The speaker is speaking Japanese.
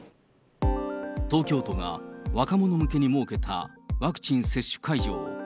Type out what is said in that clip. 東京都が若者向けに設けたワクチン接種会場。